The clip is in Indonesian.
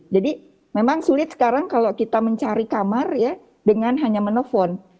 jadi memang sulit sekarang kalau kita mencari kamar ya dengan hanya menefon